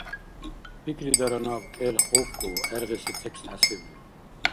Пикридара наб кӀел хокку гӀергъиси текст хӀясибли